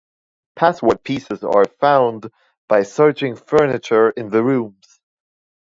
Password pieces are found by searching furniture in the rooms.